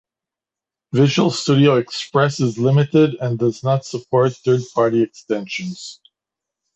Visual Studio Express is limited and does not support third-party extensions.